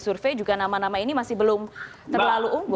survei juga nama nama ini masih belum terlalu unggul